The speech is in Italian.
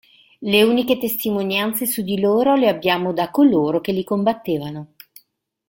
Le uniche testimonianze su di loro le abbiamo da coloro che li combattevano.